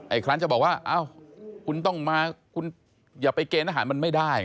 อีกครั้งจะบอกว่าคุณต้องมาคุณอย่าไปเกณฑ์อาหารมันไม่ได้